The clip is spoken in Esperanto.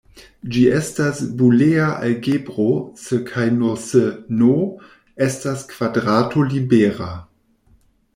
Ĝi estas bulea algebro se kaj nur se "n" estas kvadrato-libera.